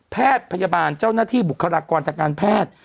แพทย์พยาบาลเจ้าหน้าที่บุคลากรทางการแพทย์